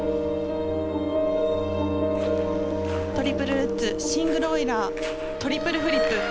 トリプルルッツシングルオイラートリプルフリップ。